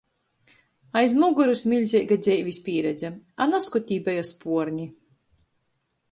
Aiz mugorys miļzeiga dzeivis pīredze, a nazkod tī beja spuorni